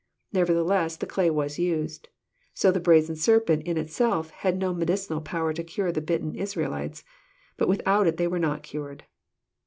Neverthe less the clay was used. So the brazen serpent in itself had no medicinal power to cure the bitten Israelites. But without it they were not cured.